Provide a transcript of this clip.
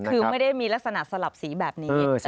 คือไม่ได้มีลักษณะสลับสีแบบนี้